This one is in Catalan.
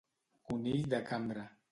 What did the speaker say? Conill de cambra.